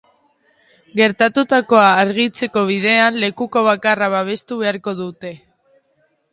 Gertatutakoa argitzeko bidean, lekuko bakarra babestu beharko dute.